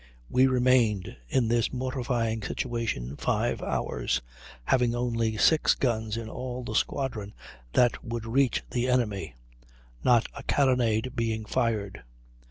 We remained in this mortifying situation five hours, having only six guns in all the squadron that would reach the enemy (not a carronade being fired)."